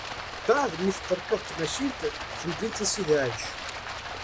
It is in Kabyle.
Mbeɛd mi t-terkeḍ tmacint deg temdint n Sidi Ɛic.